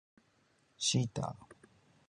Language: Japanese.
シータ